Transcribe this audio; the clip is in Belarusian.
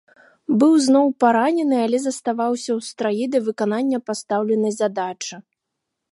Быў зноў паранены, але заставаўся ў страі да выканання пастаўленай задачы.